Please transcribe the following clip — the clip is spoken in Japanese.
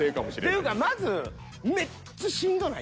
っていうかまずめっちゃしんどない？